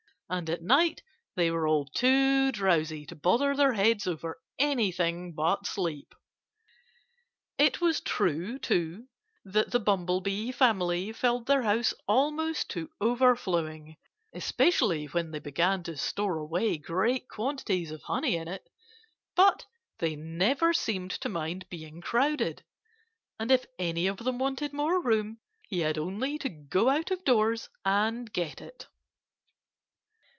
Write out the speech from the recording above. And at night they were all too drowsy to bother their heads over anything but sleep. It was true, too, that the Bumblebee family filled their house almost to overflowing especially when they began to store away great quantities of honey in it. But they never seemed to mind being crowded. And if any of them wanted more room he had only to go out of doors and get it.